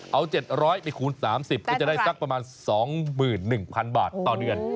เอา๗๐๐ไปคูณ๓๐ก็จะได้สักประมาณ๒๑๐๐๐บาทต่อเดือน